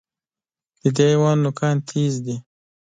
د دې حیوان نوکان تېز دي.